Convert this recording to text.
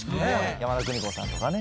山田邦子さんとかね